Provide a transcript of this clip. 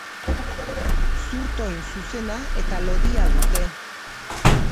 Zurtoin zuzena eta lodia dute.